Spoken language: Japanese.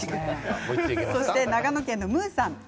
長野県の方です。